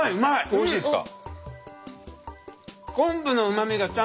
おいしいですか？